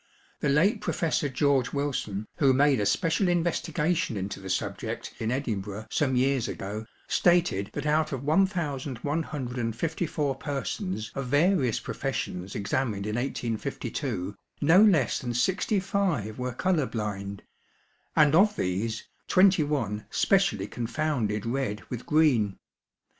The late Professor George Wilson, who made a special investigation into the subject in Edinburgh some years ago, stated that out of one thousand one hundred and fifty four persons of various professions examined in 1852, no less than sixty five were colour blind; and of these, twenty one specially confounded red with green.